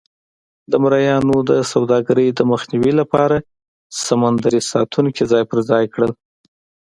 د مریانو د سوداګرۍ د مخنیوي لپاره سمندري ساتونکي ځای پر ځای کړل.